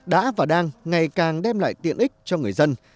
đã và đang ngày càng đem lại tiện ích cho người dân